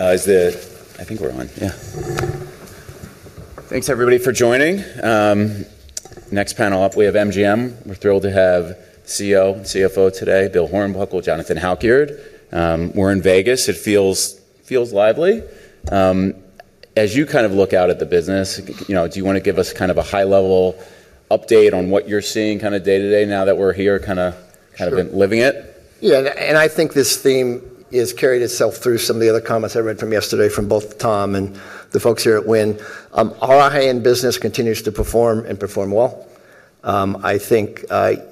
I think we're on. Yeah. Thanks everybody for joining. Next panel up, we have MGM. We're thrilled to have CEO and CFO today, Bill Hornbuckle, Jonathan Halkyard. We're in Vegas. It feels lively. As you kind of look out at the business, you know, do you wanna give us kind of a high-level update on what you're seeing kind of day-to-day now that we're here, kinda? Sure. Kind of been living it? Yeah. I think this theme is carried itself through some of the other comments I read from yesterday from both Tom and the folks here at Wynn. Our high-end business continues to perform and perform well. I think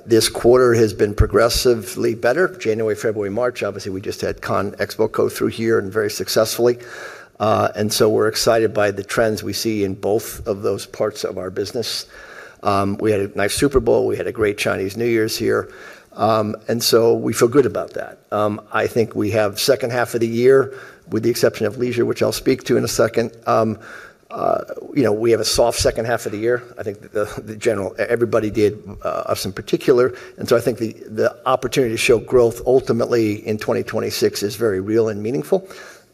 this quarter has been progressively better. January, February, March, obviously, we just had CONEXPO go through here and very successfully. We're excited by the trends we see in both of those parts of our business. We had a nice Super Bowl. We had a great Chinese New Year here. We feel good about that. I think we have second half of the year, with the exception of leisure, which I'll speak to in a second. You know, we have a soft second half of the year. I think the general, everybody did, us in particular. I think the opportunity to show growth ultimately in 2026 is very real and meaningful,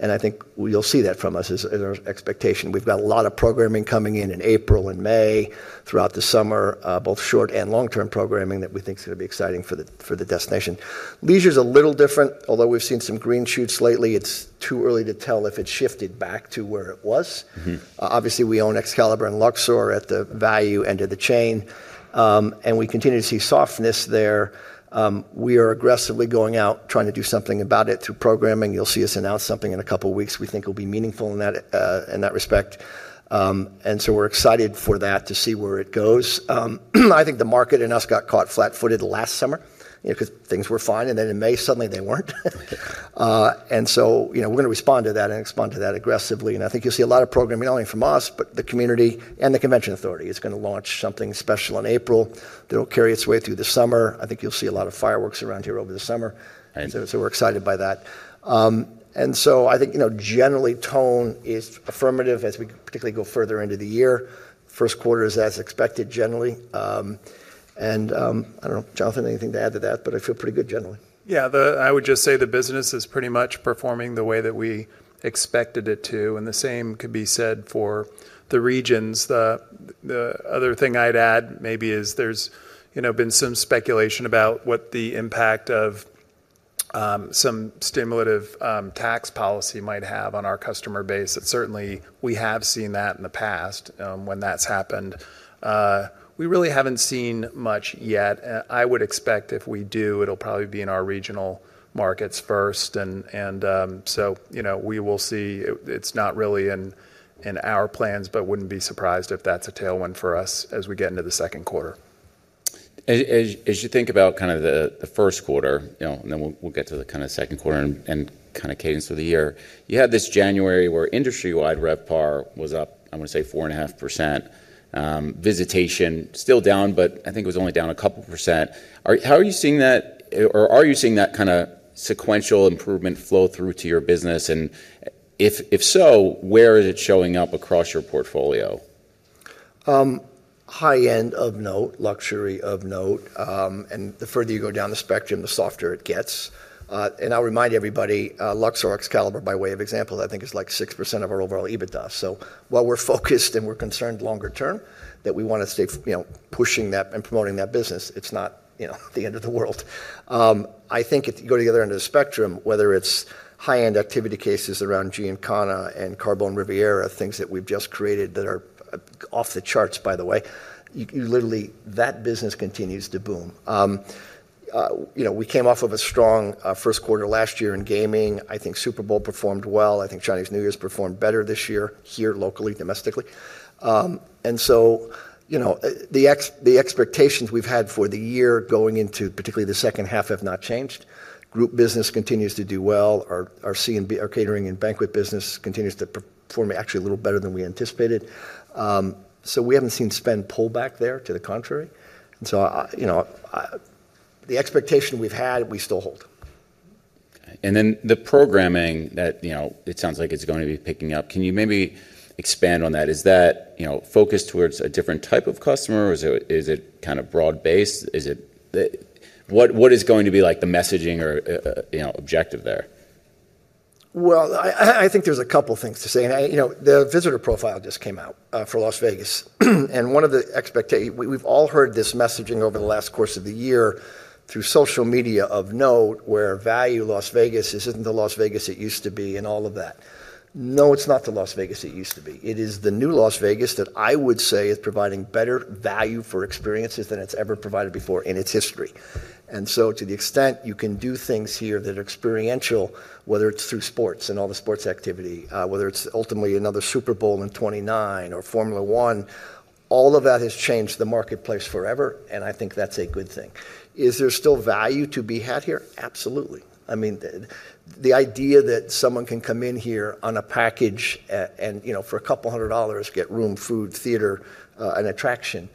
and I think we'll see that from us as our expectation. We've got a lot of programming coming in in April and May, throughout the summer, both short and long-term programming that we think is gonna be exciting for the destination. Leisure's a little different. Although we've seen some green shoots lately, it's too early to tell if it's shifted back to where it was. Mm-hmm. Obviously, we own Excalibur and Luxor at the value end of the chain, and we continue to see softness there. We are aggressively going out, trying to do something about it through programming. You'll see us announce something in a couple of weeks we think will be meaningful in that respect. We're excited for that to see where it goes. I think the market and us got caught flat-footed last summer, you know, 'cause things were fine, and then in May, suddenly they weren't. You know, we're gonna respond to that aggressively. I think you'll see a lot of programming not only from us, but the community and the convention authority. It's gonna launch something special in April that'll carry its way through the summer. I think you'll see a lot of fireworks around here over the summer. Nice. We're excited by that. I think, you know, generally tone is affirmative as we particularly go further into the year. First quarter is as expected generally. I don't know, Jonathan, anything to add to that? I feel pretty good generally. Yeah. I would just say the business is pretty much performing the way that we expected it to, and the same could be said for the regions. The other thing I'd add maybe is there's, you know, been some speculation about what the impact of some stimulative tax policy might have on our customer base. Certainly we have seen that in the past when that's happened. We really haven't seen much yet. I would expect if we do, it'll probably be in our regional markets first. You know, we will see. It's not really in our plans, but wouldn't be surprised if that's a tailwind for us as we get into the second quarter. As you think about kind of the first quarter, you know, and then we'll get to the kinda second quarter and kinda cadence of the year. You had this January where industry-wide RevPAR was up, I wanna say 4.5%. Visitation still down, but I think it was only down a couple percent. How are you seeing that or are you seeing that kinda sequential improvement flow through to your business? And if so, where is it showing up across your portfolio? High-end of note, luxury of note, and the further you go down the spectrum, the softer it gets. I'll remind everybody, Luxor, Excalibur by way of example, I think is like 6% of our overall EBITDA. While we're focused and we're concerned longer term that we wanna stay, you know, pushing that and promoting that business, it's not, you know, the end of the world. I think if you go to the other end of the spectrum, whether it's high-end activity cases around Giancana and Carbone Riviera, things that we've just created that are off the charts, by the way, you literally, that business continues to boom. You know, we came off of a strong first quarter last year in gaming. I think Super Bowl performed well. I think Chinese New Year's performed better this year here locally, domestically. You know, the expectations we've had for the year going into particularly the second half have not changed. Group business continues to do well. Our C&B, our catering and banquet business continues to perform actually a little better than we anticipated. We haven't seen spend pull back there, to the contrary. You know, the expectation we've had, we still hold. The programming that, you know, it sounds like it's going to be picking up. Can you maybe expand on that? Is that, you know, focused towards a different type of customer, or is it kind of broad-based? What is going to be like the messaging or, you know, objective there? Well, I think there's a couple things to say. You know, the visitor profile just came out for Las Vegas. We've all heard this messaging over the course of the last year through social media, you know, where Las Vegas isn't the Las Vegas it used to be and all of that. No, it's not the Las Vegas it used to be. It is the new Las Vegas that I would say is providing better value for experiences than it's ever provided before in its history. To the extent you can do things here that are experiential, whether it's through sports and all the sports activity, whether it's ultimately another Super Bowl in 2029 or Formula 1, all of that has changed the marketplace forever, and I think that's a good thing. Is there still value to be had here? Absolutely. I mean, the idea that someone can come in here on a package and, you know, for a couple hundred dollars, get room, food, theater, and attraction,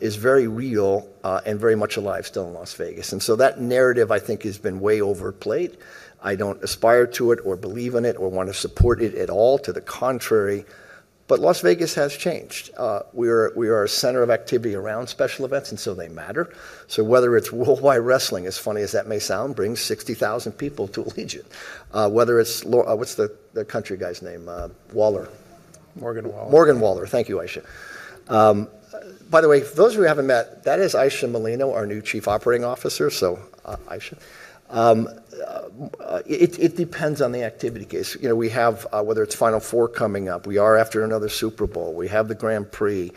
is very real and very much alive still in Las Vegas. That narrative, I think, has been way overplayed. I don't aspire to it or believe in it or wanna support it at all. To the contrary. Las Vegas has changed. We're a center of activity around special events, and so they matter. Whether it's WWE, as funny as that may sound, brings 60,000 people to Allegiant, whether it's what's the country guy's name? Waller. Morgan Wallen. Thank you, Ayesha. By the way, for those of you who haven't met, that is Ayesha Khanna Molino, our new Chief Operating Officer, so, Aisha. It depends on the activity case. You know, we have whether it's Final Four coming up. We are after another Super Bowl. We have the Grand Prix.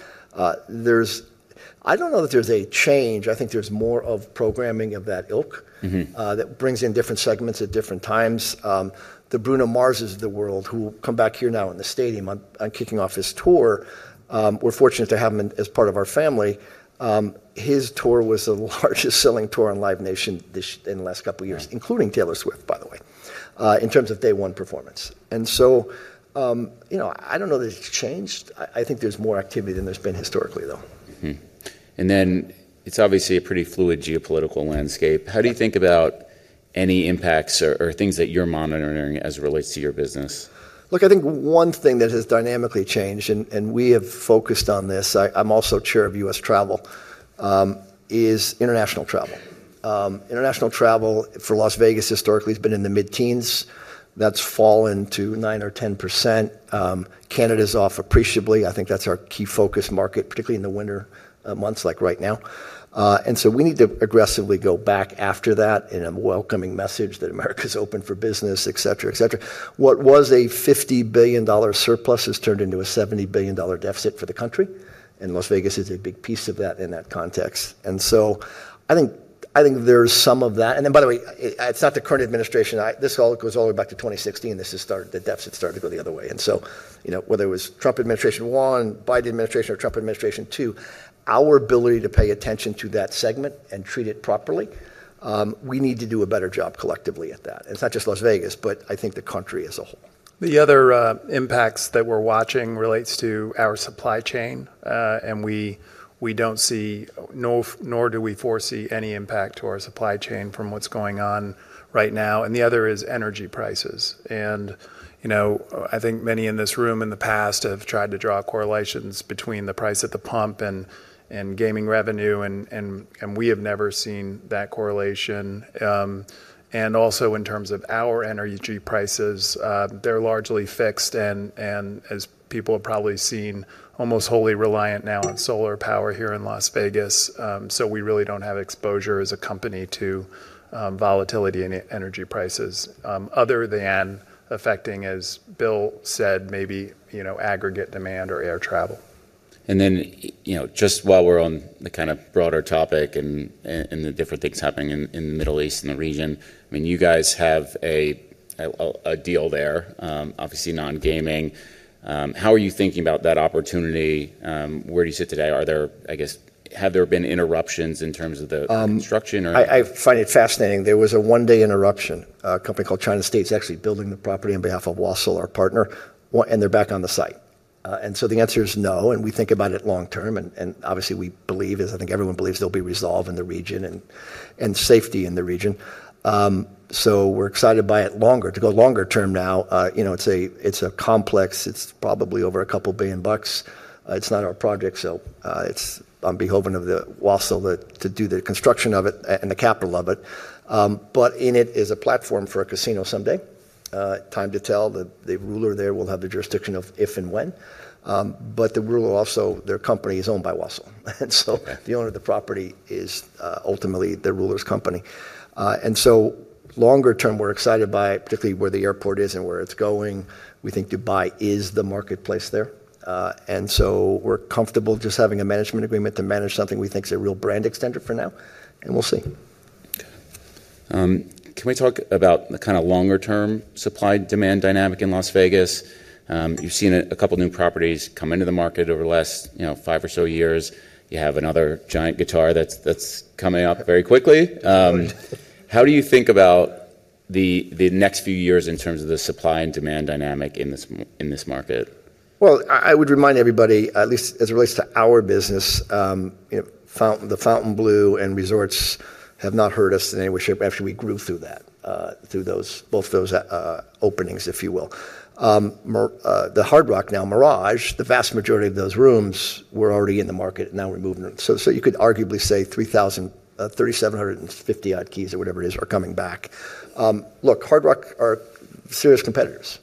I don't know that there's a change. I think there's more of programming of that ilk that brings in different segments at different times. The Bruno Mars' of the world who will come back here now in the stadium kicking off his tour, we're fortunate to have him as part of our family. His tour was the largest selling tour on Live Nation in the last couple years including Taylor Swift, by the way, in terms of day one performance. You know, I don't know that it's changed. I think there's more activity than there's been historically, though. It's obviously a pretty fluid geopolitical landscape. How do you think about any impacts or things that you're monitoring as it relates to your business? Look, I think one thing that has dynamically changed, and we have focused on this. I'm also chair of U.S. Travel is international travel. International travel for Las Vegas historically has been in the mid-teens. That's fallen to 9% or 10%. Canada's off appreciably. I think that's our key focus market, particularly in the winter months, like right now. We need to aggressively go back after that in a welcoming message that America's open for business, et cetera, et cetera. What was a $50 billion surplus has turned into a $70 billion deficit for the country, and Las Vegas is a big piece of that in that context. I think there's some of that. By the way, it's not the current administration. This all goes all the way back to 2016. The deficit started to go the other way. You know, whether it was Trump administration one, Biden administration, or Trump administration two, our ability to pay attention to that segment and treat it properly, we need to do a better job collectively at that. It's not just Las Vegas, but I think the country as a whole. The other impacts that we're watching relates to our supply chain. We don't see, nor do we foresee any impact to our supply chain from what's going on right now, and the other is energy prices. You know, I think many in this room in the past have tried to draw correlations between the price at the pump and gaming revenue and we have never seen that correlation. Also in terms of our energy prices, they're largely fixed and as people have probably seen, almost wholly reliant now on solar power here in Las Vegas. We really don't have exposure as a company to volatility in energy prices, other than affecting, as Bill said, maybe, you know, aggregate demand or air travel. You know, just while we're on the kind of broader topic and the different things happening in the Middle East and the region, I mean, you guys have a deal there, obviously non-gaming. How are you thinking about that opportunity? Where do you sit today? Are there, I guess, have there been interruptions in terms of the construction or? I find it fascinating. There was a one-day interruption. A company called China State is actually building the property on behalf of Wasl, our partner, and they're back on the site. So the answer is no, and we think about it long term. Obviously we believe, as I think everyone believes, there'll be resolve in the region and safety in the region. We're excited by it longer. To go longer term now, it's a complex. It's probably over $2 billion. It's not our project, so it's on behalf of the Wasl that's to do the construction of it and the capital of it. But it is a platform for a casino someday. Time will tell. The ruler there will have the jurisdiction of if and when. But the ruler also, their company is owned by Wasl. The owner of the property is ultimately the ruler's company. Longer term, we're excited by particularly where the airport is and where it's going. We think Dubai is the marketplace there. We're comfortable just having a management agreement to manage something we think is a real brand extender for now, and we'll see. Can we talk about the kinda longer term supply-demand dynamic in Las Vegas? You've seen a couple new properties come into the market over the last, you know, five or so years. You have another giant guitar that's coming up very quickly. How do you think about the next few years in terms of the supply and demand dynamic in this market? Well, I would remind everybody, at least as it relates to our business, you know, Fontainebleau and Resorts World have not hurt us in any way, shape. Actually, we grew through that, through those openings, if you will. The Hard Rock now Mirage, the vast majority of those rooms were already in the market, now we're moving them. You could arguably say 3,000, 3,750 odd keys or whatever it is, are coming back. Look, Hard Rock are serious competitors.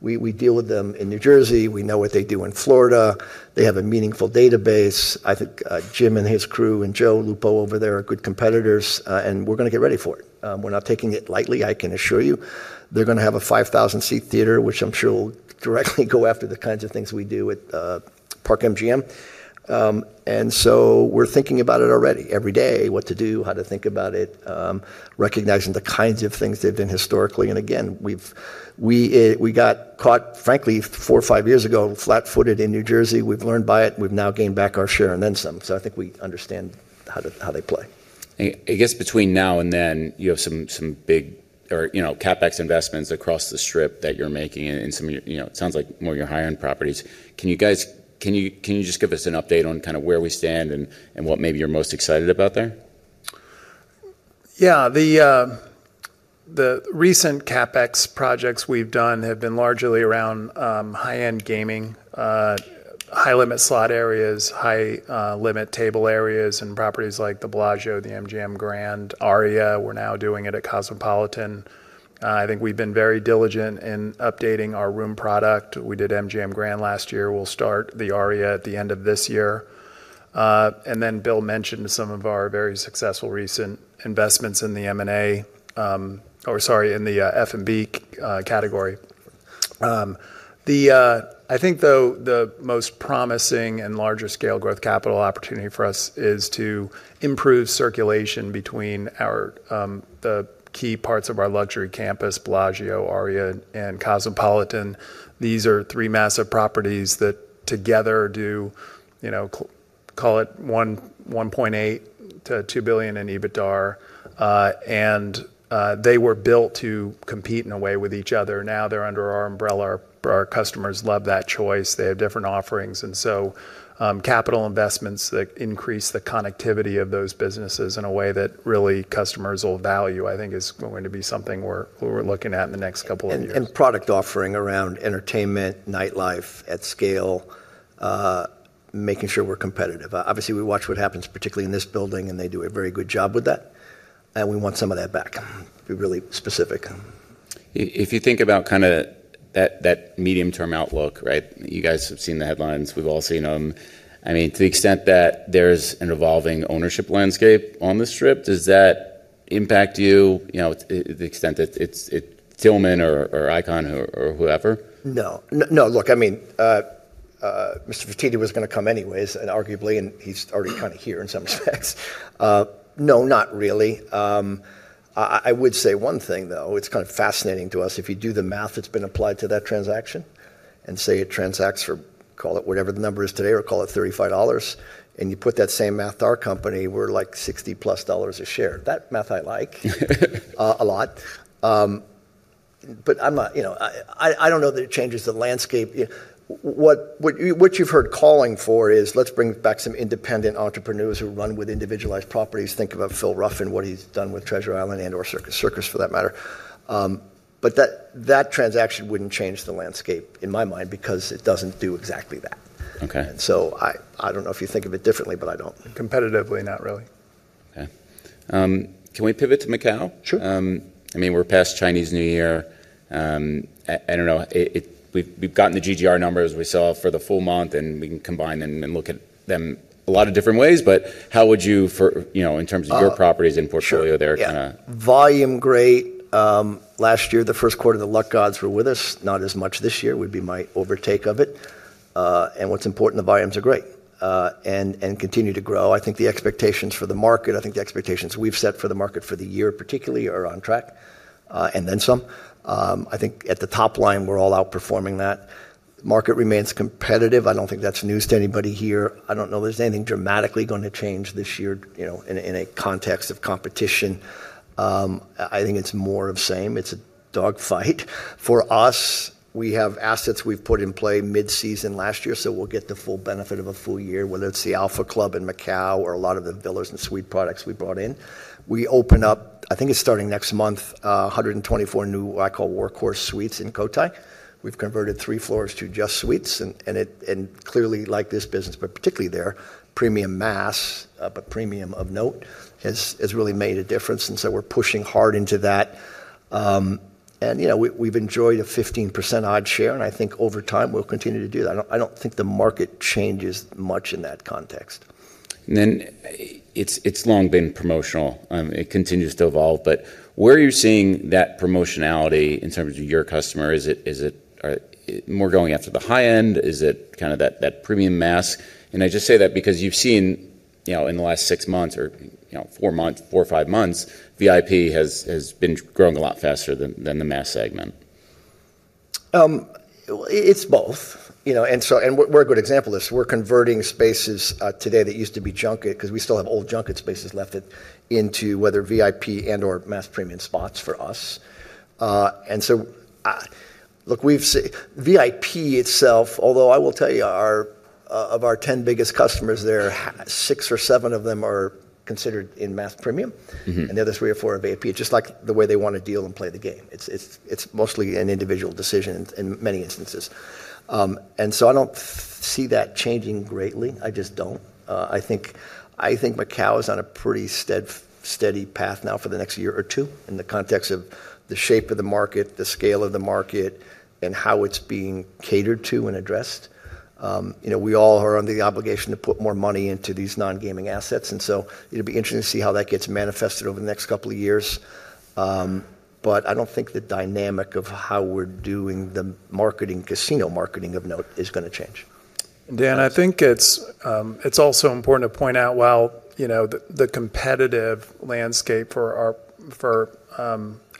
We deal with them in New Jersey. We know what they do in Florida. They have a meaningful database. I think, Jim and his crew and Joe Lupo over there are good competitors, and we're gonna get ready for it. We're not taking it lightly, I can assure you. They're gonna have a 5,000-seat theater, which I'm sure will directly go after the kinds of things we do at, Park MGM. We're thinking about it already every day, what to do, how to think about it, recognizing the kinds of things they've done historically. Again, we've got caught, frankly, four or five years ago, flat-footed in New Jersey. We've learned by it, and we've now gained back our share and then some. I think we understand how they play. I guess between now and then, you have some big, you know, CapEx investments across the Strip that you're making and some of your, you know, it sounds like more of your high-end properties. Can you just give us an update on kind of where we stand and what maybe you're most excited about there? Yeah. The recent CapEx projects we've done have been largely around high-end gaming, high-limit slot areas, high limit table areas in properties like the Bellagio, the MGM Grand, ARIA. We're now doing it at Cosmopolitan. I think we've been very diligent in updating our room product. We did MGM Grand last year. We'll start the ARIA at the end of this year. Bill mentioned some of our very successful recent investments in the F&B category. I think, though, the most promising and larger scale growth capital opportunity for us is to improve circulation between the key parts of our luxury campus, Bellagio, ARIA, and Cosmopolitan. These are three massive properties that together do, you know, call it $1.8 billion-$2 billion in EBITDA, and they were built to compete in a way with each other. Now they're under our umbrella. Our customers love that choice. They have different offerings. Capital investments that increase the connectivity of those businesses in a way that really customers will value, I think is going to be something we're looking at in the next couple of years. Product offering around entertainment, nightlife at scale, making sure we're competitive. Obviously, we watch what happens, particularly in this building, and they do a very good job with that, and we want some of that back. To be really specific. If you think about kinda that medium-term outlook, right? You guys have seen the headlines. We've all seen them. I mean, to the extent that there's an evolving ownership landscape on the Strip, does that impact you? You know, it's Tilman or Icahn or whoever. No. Look, I mean, Mr. Fertitta was gonna come anyways, and arguably, and he's already kind of here in some respects. No, not really. I would say one thing, though. It's kind of fascinating to us. If you do the math that's been applied to that transaction and say it transacts for, call it whatever the number is today, or call it $35, and you put that same math to our company, we're like $60+ a share. That math I like a lot. But I'm not. You know, I don't know that it changes the landscape. What you've heard calling for is let's bring back some independent entrepreneurs who run with individualized properties. Think about Phil Ruffin, what he's done with Treasure Island and/or Circus Circus, for that matter. That transaction wouldn't change the landscape in my mind because it doesn't do exactly that. Okay. I don't know if you think of it differently, but I don't. Competitively, not really. Okay. Can we pivot to Macau? Sure. I mean, we're past Chinese New Year. I don't know. We've gotten the GGR numbers we saw for the full month, and we can combine them and look at them a lot of different ways. How would you for, you know, in terms of your properties and portfolio there kinda- Sure. Yeah. Volume, great. Last year, the first quarter, the luck gods were with us. Not as much this year would be my take on it. What's important, the volumes are great, and continue to grow. I think the expectations we've set for the market for the year particularly are on track, and then some. I think at the top line, we're all outperforming that. Market remains competitive. I don't think that's news to anybody here. I don't know if there's anything dramatically gonna change this year, you know, in a context of competition. I think it's more of the same. It's a dog fight. For us, we have assets we've put in play mid-season last year, so we'll get the full benefit of a full year, whether it's the Alpha Club in Macau or a lot of the villas and suite products we brought in. We open up, I think it's starting next month, 124 new, what I call workhorse suites in Cotai. We've converted three floors to just suites and clearly like this business, but particularly there, premium mass, but premium of note has really made a difference. We're pushing hard into that. You know, we've enjoyed a 15% or so share, and I think over time, we'll continue to do that. I don't think the market changes much in that context. It's long been promotional. It continues to evolve. Where are you seeing that promotionality in terms of your customer? Is it more going after the high end? Is it kind of that premium mass? I just say that because you've seen in the last six months or four or five months, VIP has been growing a lot faster than the mass segment. It's both. You know, we're a good example of this. We're converting spaces today that used to be junket because we still have old junket spaces left over into whether VIP and/or premium mass spots for us. Look, we've seen VIP itself, although I will tell you, of our 10 biggest customers there, six or seven of them are considered in premium mass. Mm-hmm. The other three or four are VIP, just like the way they want to deal and play the game. It's mostly an individual decision in many instances. I don't see that changing greatly. I just don't. I think Macau is on a pretty steady path now for the next year or two in the context of the shape of the market, the scale of the market, and how it's being catered to and addressed. You know, we all are under the obligation to put more money into these non-gaming assets, and so it'll be interesting to see how that gets manifested over the next couple of years. But I don't think the dynamic of how we're doing the marketing, casino marketing of note is gonna change. Dan, I think it's also important to point out while, you know, the competitive landscape for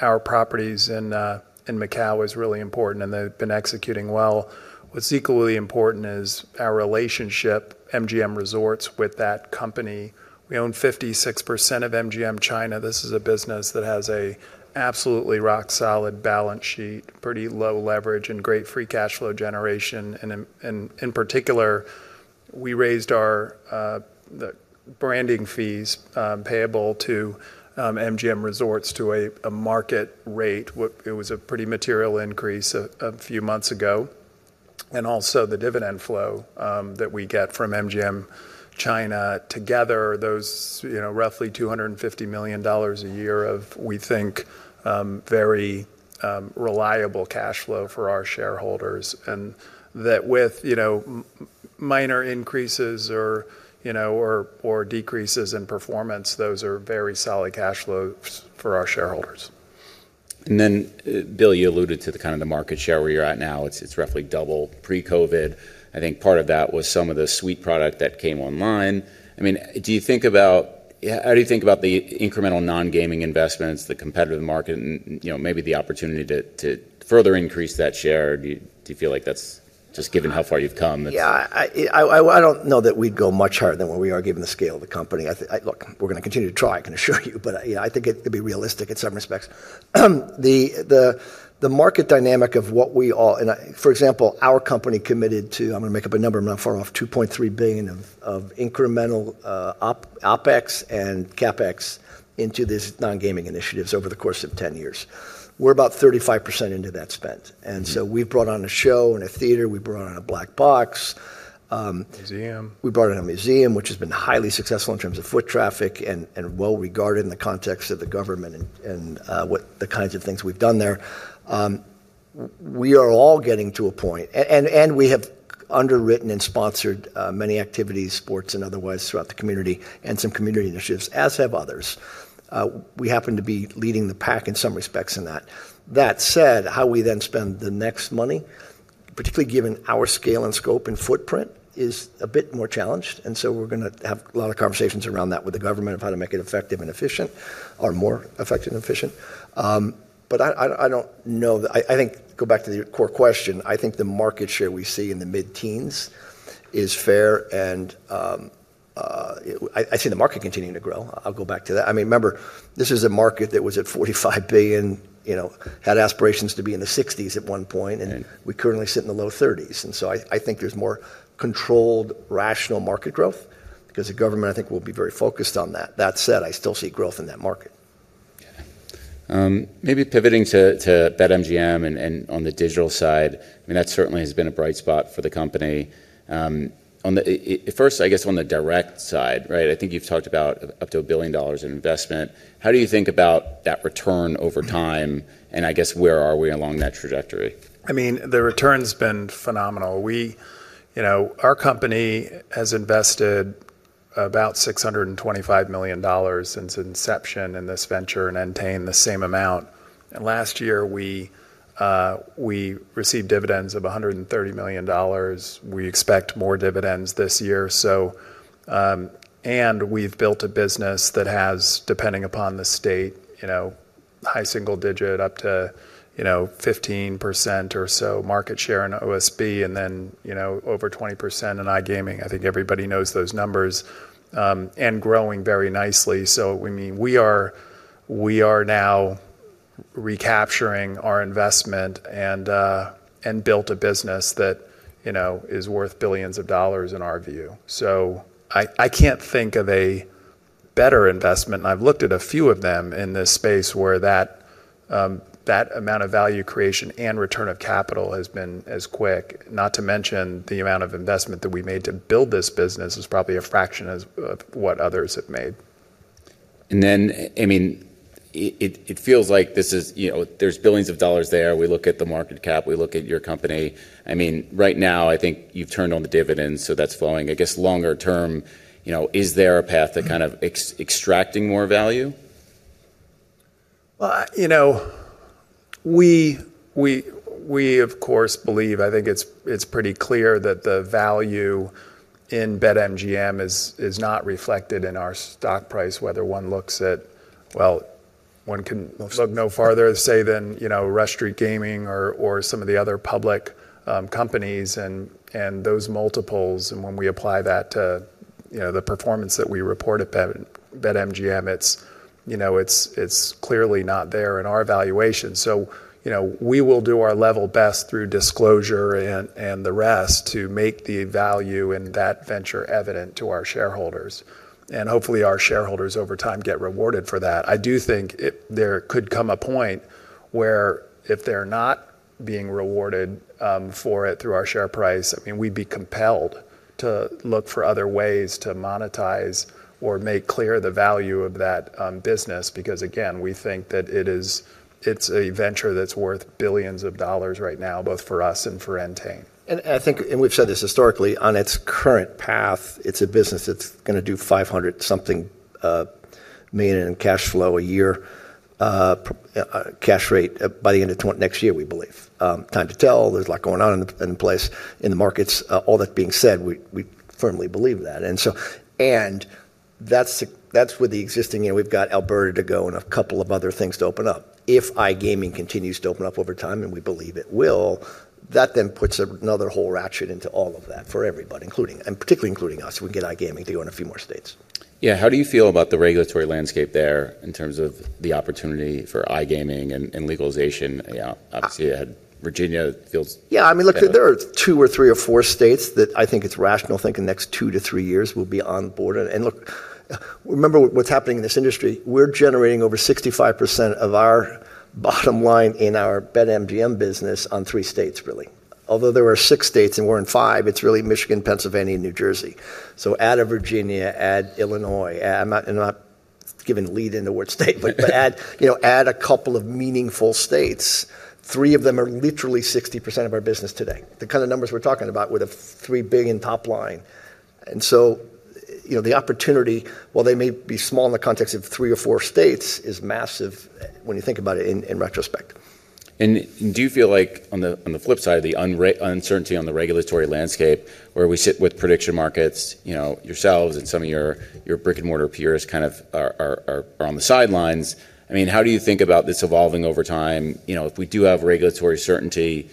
our properties in Macau is really important, and they've been executing well. What's equally important is our relationship, MGM Resorts, with that company. We own 56% of MGM China. This is a business that has an absolutely rock solid balance sheet, pretty low leverage, and great free cash flow generation. In particular, we raised our branding fees payable to MGM Resorts to a market rate. It was a pretty material increase a few months ago. Also the dividend flow that we get from MGM China. Together, those, you know, roughly $250 million a year of, we think, very reliable cash flow for our shareholders. That with, you know, minor increases or, you know, decreases in performance, those are very solid cash flows for our shareholders. Bill, you alluded to the kind of the market share where you're at now. It's roughly double pre-COVID. I think part of that was some of the suite product that came online. I mean, how do you think about the incremental non-gaming investments, the competitive market and, you know, maybe the opportunity to further increase that share? Do you feel like that's just given how far you've come? Yeah. I don't know that we'd go much higher than where we are given the scale of the company. I think. Look, we're going to continue to try, I can assure you. But, you know, I think it'd be realistic in some respects. The market dynamic of what we all. For example, our company committed to, I'm gonna make up a number, I'm not far off, $2.3 billion of incremental OPEX and CapEx into this non-gaming initiatives over the course of 10 years. We're about 35% into that spend. We've brought on a show and a theater. We brought on a black box. Museum. We brought in a museum, which has been highly successful in terms of foot traffic and well-regarded in the context of the government and what the kinds of things we've done there. We are all getting to a point and we have underwritten and sponsored many activities, sports and otherwise, throughout the community and some community initiatives, as have others. We happen to be leading the pack in some respects in that. That said, how we then spend the next money, particularly given our scale and scope and footprint, is a bit more challenged. We're gonna have a lot of conversations around that with the government of how to make it effective and efficient or more effective and efficient. I don't know. I think go back to the core question. I think the market share we see in the mid-teens% is fair and I see the market continuing to grow. I'll go back to that. I mean, remember, this is a market that was at $45 billion, you know, had aspirations to be in the 60s at one point, and we currently sit in the low 30s. I think there's more controlled, rational market growth because the government, I think, will be very focused on that. That said, I still see growth in that market. Okay. Maybe pivoting to BetMGM and on the digital side, I mean, that certainly has been a bright spot for the company. First, I guess on the direct side, right? I think you've talked about up to $1 billion in investment. How do you think about that return over time? I guess, where are we along that trajectory? I mean, the return's been phenomenal. We, you know, our company has invested about $625 million since inception in this venture, and Entain the same amount. Last year, we received dividends of $130 million. We expect more dividends this year. We've built a business that has, depending upon the state, you know, high single digit up to, you know, 15% or so market share in OSB, and then, you know, over 20% in iGaming. I think everybody knows those numbers and growing very nicely. We are now recapturing our investment and built a business that, you know, is worth billions of dollars in our view. I can't think of a better investment, and I've looked at a few of them in this space, where that amount of value creation and return of capital has been as quick. Not to mention the amount of investment that we made to build this business is probably a fraction of what others have made. I mean, it feels like this is, you know, there's $ billions there. We look at the market cap. We look at your company. I mean, right now, I think you've turned on the dividends, so that's flowing. I guess longer term, you know, is there a path to kind of extracting more value? Well, you know, of course, we believe. I think it's pretty clear that the value in BetMGM is not reflected in our stock price, whether one looks at. One can look no further than Rush Street Gaming or some of the other public companies and those multiples. When we apply that to the performance that we report at BetMGM, it's clearly not there in our valuation. You know, we will do our level best through disclosure and the rest to make the value in that venture evident to our shareholders. Hopefully, our shareholders over time get rewarded for that. I do think there could come a point where if they're not being rewarded for it through our share price, I mean, we'd be compelled to look for other ways to monetize or make clear the value of that business, because, again, we think that it's a venture that's worth $ billions right now, both for us and for Entain. I think, and we've said this historically, on its current path, it's a business that's gonna do $500-something million in cash flow a year, cash rate by the end of next year, we believe. Time to tell. There's a lot going on in place in the markets. All that being said, we firmly believe that. That's with the existing, you know, we've got Alberta to go and a couple of other things to open up. If iGaming continues to open up over time, and we believe it will, that then puts another whole ratchet into all of that for everybody, including, and particularly including us. We can get iGaming to go in a few more states. Yeah. How do you feel about the regulatory landscape there in terms of the opportunity for iGaming and legalization? You know, obviously you had Virginia feels. Yeah, I mean, look, there are two or three or four states that I think it's rational to think in the next two to three years will be on board. Look, remember what's happening in this industry. We're generating over 65% of our bottom line in our BetMGM business on three states, really. Although there are six states and we're in five, it's really Michigan, Pennsylvania, and New Jersey. Add a Virginia, add Illinois. I'm not giving lead into which state, but add, you know, add a couple of meaningful states. Three of them are literally 60% of our business today. The kind of numbers we're talking about with a $3 billion top line. You know, the opportunity, while they may be small in the context of three or four states, is massive when you think about it in retrospect. Do you feel like on the flip side, the uncertainty on the regulatory landscape where we sit with prediction markets, you know, yourselves and some of your brick-and-mortar peers kind of are on the sidelines. I mean, how do you think about this evolving over time? You know, if we do have regulatory certainty,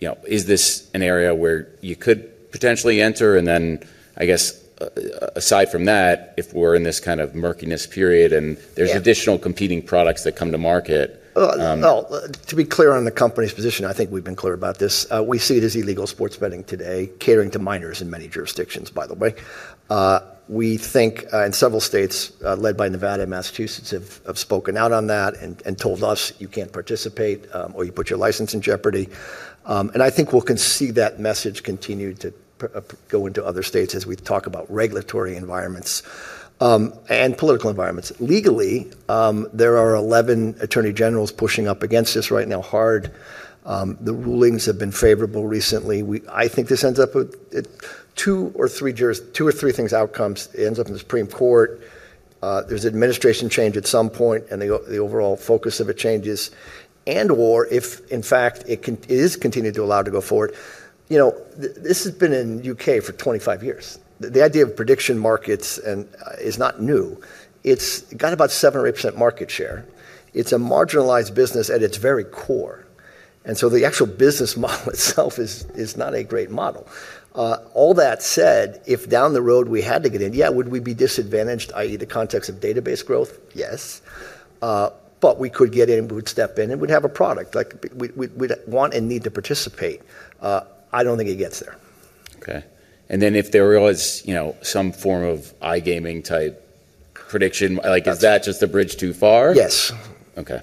you know, is this an area where you could potentially enter? Then I guess aside from that, if we're in this kind of murkiness period, and there's Yeah additional competing products that come to market. Well, to be clear on the company's position, I think we've been clear about this. We see it as illegal sports betting today, catering to minors in many jurisdictions, by the way. We think, and several states, led by Nevada and Massachusetts, have spoken out on that and told us, "You can't participate, or you put your license in jeopardy." I think we'll see that message continue to go into other states as we talk about regulatory environments, and political environments. Legally, there are 11 attorneys general pushing up against this right now hard. The rulings have been favorable recently. I think this ends up with two or three jurisdictions or two or three outcomes. It ends up in the Supreme Court. There's administration change at some point, and the overall focus of it changes and/or if, in fact, it is continued to allow to go forward. You know, this has been in U.K. for 25 years. The idea of prediction markets is not new. It's got about seven or 8% market share. It's a marginalized business at its very core. The actual business model itself is not a great model. All that said, if down the road we had to get in, yeah, would we be disadvantaged, i.e., the context of database growth? Yes. We could get in, we would step in, and we'd have a product. Like, we'd want and need to participate. I don't think it gets there. Okay. If there was, you know, some form of iGaming type prediction, like is that just a bridge too far? Yes. Okay.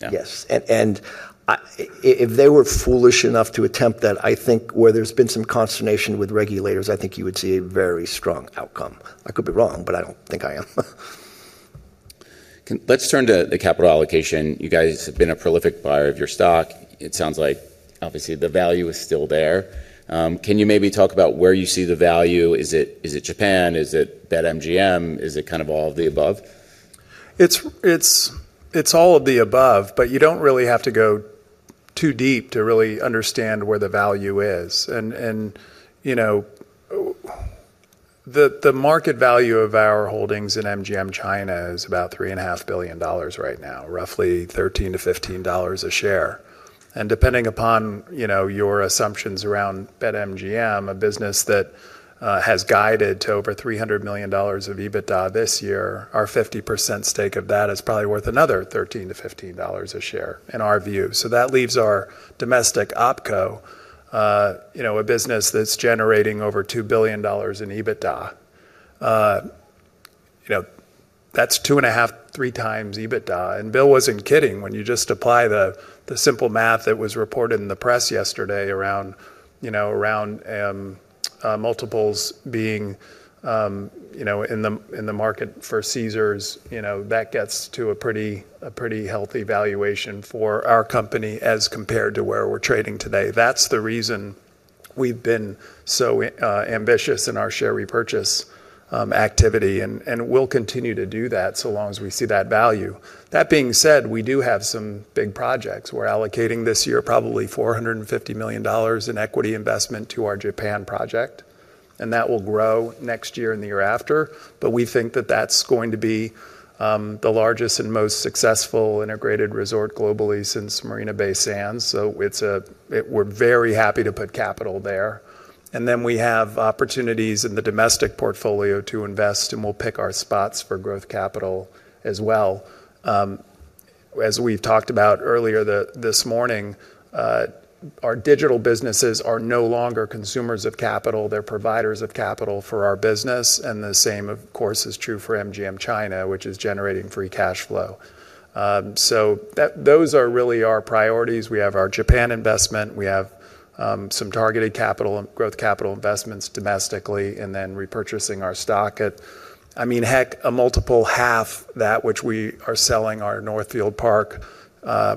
Yeah. Yes. If they were foolish enough to attempt that, I think where there's been some consternation with regulators, I think you would see a very strong outcome. I could be wrong, but I don't think I am. Let's turn to the capital allocation. You guys have been a prolific buyer of your stock. It sounds like obviously the value is still there. Can you maybe talk about where you see the value? Is it, is it Japan? Is it BetMGM? Is it kind of all of the above? It's all of the above, but you don't really have to go too deep to really understand where the value is. You know, the market value of our holdings in MGM China is about $3.5 billion right now, roughly $13-$15 a share. Depending upon your assumptions around BetMGM, a business that has guided to over $300 million of EBITDA this year, our 50% stake of that is probably worth another $13-$15 a share in our view. That leaves our domestic OpCo, you know, a business that's generating over $2 billion in EBITDA. You know, that's 2.5-3 times EBITDA. Bill wasn't kidding when you just apply the simple math that was reported in the press yesterday around multiples being in the market for Caesars. That gets to a pretty healthy valuation for our company as compared to where we're trading today. That's the reason we've been so ambitious in our share repurchase activity, and we'll continue to do that so long as we see that value. That being said, we do have some big projects. We're allocating this year probably $450 million in equity investment to our Japan project, and that will grow next year and the year after. We think that that's going to be the largest and most successful integrated resort globally since Marina Bay Sands. We're very happy to put capital there. We have opportunities in the domestic portfolio to invest, and we'll pick our spots for growth capital as well. As we've talked about earlier this morning, our digital businesses are no longer consumers of capital. They're providers of capital for our business, and the same, of course, is true for MGM China, which is generating free cash flow. Those are really our priorities. We have our Japan investment. We have some targeted CapEx, growth capital investments domestically, and then repurchasing our stock at, I mean, heck, a multiple half that which we are selling our MGM Northfield Park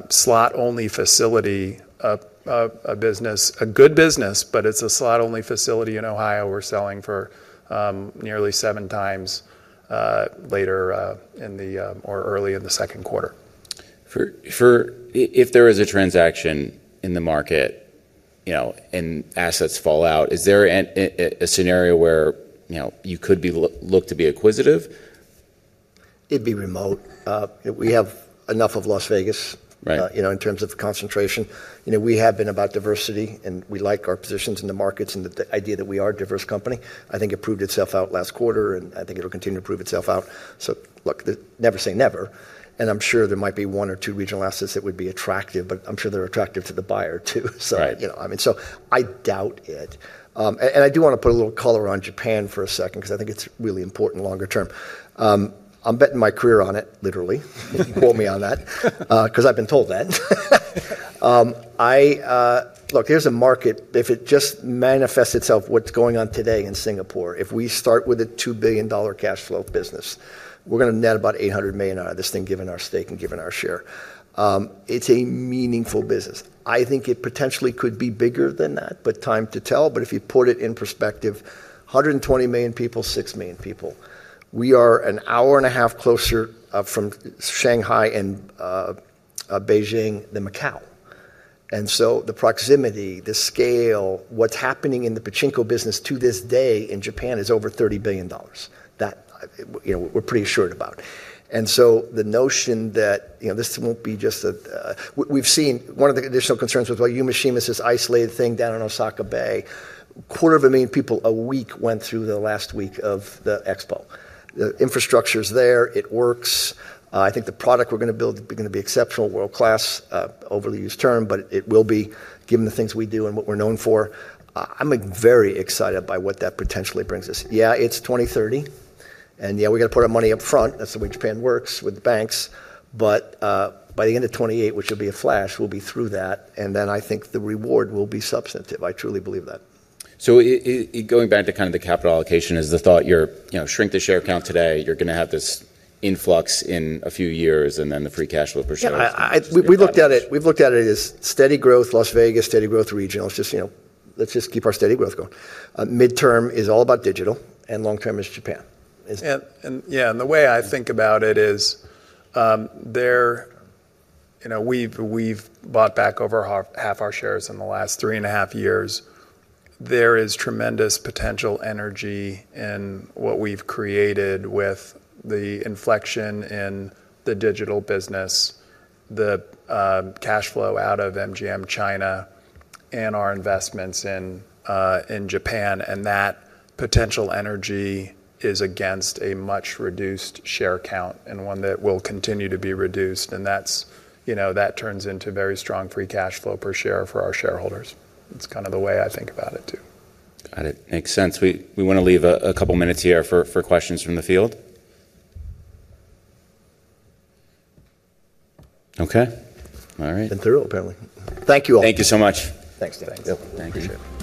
slot-only facility, a business, a good business, but it's a slot-only facility in Ohio we're selling for nearly 7x late or early in the second quarter. If there is a transaction in the market, you know, and assets fall out, is there a scenario where, you know, you could be looked to be acquisitive? It'd be remote. We have enough of Las Vegas. Right You know, in terms of concentration. You know, we have been about diversity, and we like our positions in the markets, and the idea that we are a diverse company. I think it proved itself out last quarter, and I think it'll continue to prove itself out. So look, Never say never, and I'm sure there might be one or two regional assets that would be attractive, but I'm sure they're attractive to the buyer too. So. Right. You know, I mean, I doubt it. I do wanna put a little color on Japan for a second 'cause I think it's really important longer term. I'm betting my career on it, literally. You can quote me on that, 'cause I've been told that. Look, here's a market. If it just manifests itself what's going on today in Singapore, if we start with a $2 billion cash flow business, we're gonna net about $800 million out of this thing, given our stake and given our share. It's a meaningful business. I think it potentially could be bigger than that, but time to tell. If you put it in perspective, 120 million people, 6 million people. We are an hour and a half closer from Shanghai and Beijing than Macau. The proximity, the scale, what's happening in the pachinko business to this day in Japan is over $30 billion. That, you know, we're pretty assured about. The notion that, you know, this won't be just a... We've seen one of the additional concerns with Yumeshima, this isolated thing down in Osaka Bay. Quarter of a million people a week went through the last week of the expo. The infrastructure's there. It works. I think the product we're gonna build is gonna be exceptional, world-class, overly used term, but it will be, given the things we do and what we're known for. I'm, like, very excited by what that potentially brings us. Yeah, it's 2030, and yeah, we're gonna put our money up front. That's the way Japan works with the banks. by the end of 2028, which will be a flash, we'll be through that, and then I think the reward will be substantive. I truly believe that. Going back to kinda the capital allocation, is the thought you're, you know, shrink the share count today, you're gonna have this influx in a few years, and then the free cash flow per share? Yeah. We've looked at it as steady growth Las Vegas, steady growth regional. It's just, you know, let's just keep our steady growth going. Midterm is all about digital, and long-term is Japan. It's The way I think about it is, you know, we've bought back over half our shares in the last three and a half years. There is tremendous potential energy in what we've created with the inflection in the digital business, the cash flow out of MGM China, and our investments in Japan, and that potential energy is against a much reduced share count and one that will continue to be reduced. That's, you know, that turns into very strong free cash flow per share for our shareholders. It's kinda the way I think about it too. Got it. Makes sense. We wanna leave a couple minutes here for questions from the field. Okay. All right. Been thorough apparently. Thank you all. Thank you so much. Thanks, Dave. Yep. Thank you. Appreciate it.